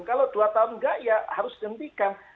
kalau dua tahun enggak ya harus dihentikan